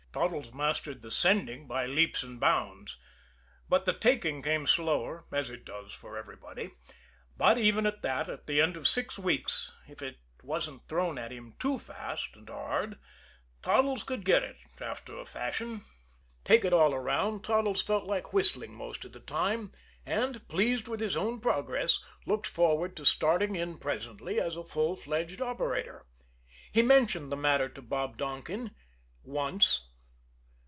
Toddles mastered the "sending" by leaps and bounds; but the "taking" came slower, as it does for everybody but even at that, at the end of six weeks, if it wasn't thrown at him too fast and hard, Toddles could get it after a fashion. Take it all around, Toddles felt like whistling most of the time; and, pleased with his own progress, looked forward to starting in presently as a full fledged operator. He mentioned the matter to Bob Donkin once.